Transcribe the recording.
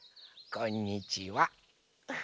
こんにちは。